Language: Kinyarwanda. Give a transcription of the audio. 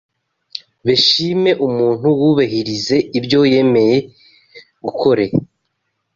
beshime umuntu wubehirize ibyo yemeye gukore